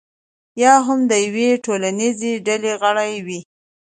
یا هم د یوې ټولنیزې ډلې غړی وي.